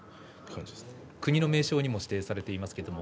国の名勝にも指定されていますね。